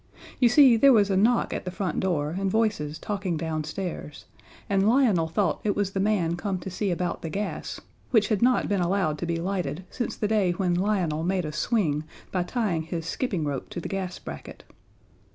You see, there was a knock at the front door and voices talking downstairs, and Lionel thought it was the man come to see about the gas, which had not been allowed to be lighted since the day when Lionel made a swing by tying his skipping rope to the gas bracket.